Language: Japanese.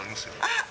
あっ。